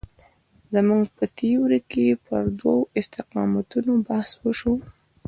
زموږ په تیورۍ کې پر دوو استقامتونو بحث وشو.